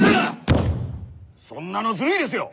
そんなのずるいですよ！